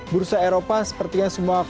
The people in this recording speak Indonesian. bursa eropa sepertinya semua